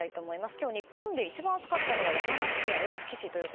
今日日本で一番暑かったのは山梨県大月市。